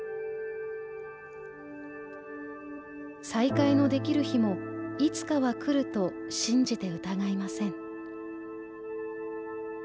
「再会のできる日もいつかは来ると信じて疑いません」。